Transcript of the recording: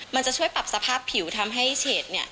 มันจะช่วยปรับสภาพผิวทำให้เฉดเนี่ย